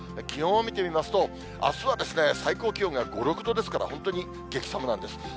気温を見てみますと、あすは最高気温が５、６度ですから、本当に激さむなんです。